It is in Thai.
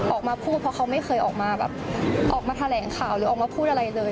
ออกมาพูดเพราะเขาไม่เคยออกมาแบบออกมาแถลงข่าวหรือออกมาพูดอะไรเลย